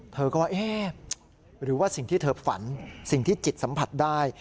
เธอก็ว่าเอ๊ะหรือว่าสิ่งที่เธอฝันสิ่งที่จิตสัมผัสได้